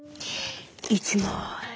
１枚！